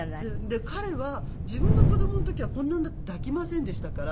で彼は自分の子供の時はこんなに抱きませんでしたから。